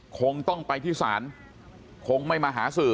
คงต้องไปที่ศาลคงไม่มาหาสื่อ